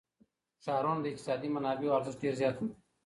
ښارونه د اقتصادي منابعو ارزښت ډېر زیاتوي.